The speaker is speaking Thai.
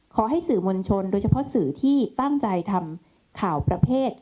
ขอให้สื่อมวลชนโดยเฉพาะสื่อที่ตั้งใจทำข่าวประเภท